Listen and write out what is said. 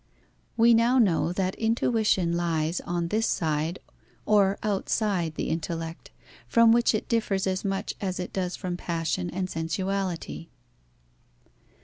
We now know that Intuition lies on this side or outside the Intellect, from which it differs as much as it does from passion and sensuality.